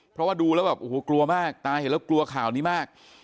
เพราะว่าดูแล้วกลัวมากตายแล้วกลัวข่าวนี้มาก